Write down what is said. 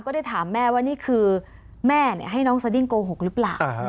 ได้ถามแม่ว่านี่คือแม่ให้น้องสดิ้งโกหกหรือเปล่า